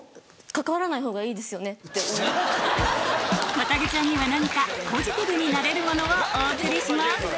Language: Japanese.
わたげちゃんには何かポジティブになれるものをお送りします